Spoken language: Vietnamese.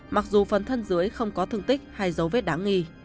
mặc dù phần thân dưới không có thương tích hay dấu vết đáng nghi